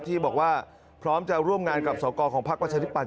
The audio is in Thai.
ที่บอกว่าพร้อมจะร่วมงานกับสอกรของภาควัฒนธิปันธุ์